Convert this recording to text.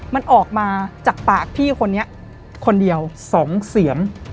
มันออกมาจากปากพี่คนนี้คนเดียว๒เสียง